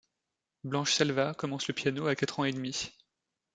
Blanche Selva commence le piano à quatre ans et demi.